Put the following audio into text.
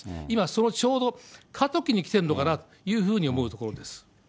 今そのちょうど過渡期にきてるのかなというふうに思うところです。